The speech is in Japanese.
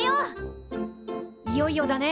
いよいよだね。